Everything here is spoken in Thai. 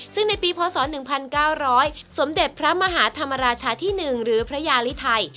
ซึ่งในปีพศ๑๙๐๐สมเด็จพระมหาธรรมราชาที่๑หรือพระยาลิไทย